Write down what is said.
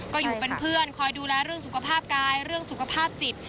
ก็อยู่เป็นเพื่อนคอยดูแลเรื่องสุขภาพกายเรื่องสุขภาพจิต